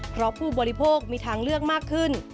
เพราะผู้บริโภคมีทางเลือกมากขึ้น